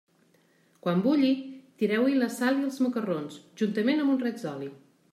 Quan bulli, tireu-hi la sal i els macarrons, juntament amb un raig d'oli.